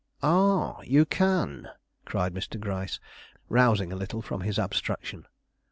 "Ah, you can!" cried Mr. Gryce, rousing a little from his abstraction.